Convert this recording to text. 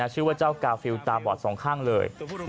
ชื่อว่าเจ้ากาฟิลตาบอดสองข้างเลย